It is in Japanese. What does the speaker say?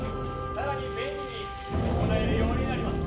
さらに便利に行えるようになります